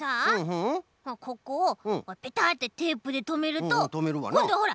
ここをペタッてテープでとめるとこんどはほら！